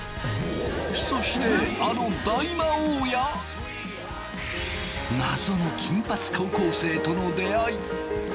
そしてあの大魔王や謎の金髪高校生との出会い。